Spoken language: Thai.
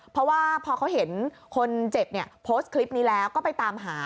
เพราะว่าพอเขาเห็นคนเจ็บเนี่ยโพสต์คลิปนี้แล้วก็ไปตามหา